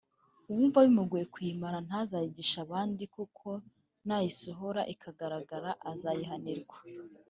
uwumva bimugoye kuyimira ntazayigishe abandi kuko nayisohora ikagaragara azayihanirwa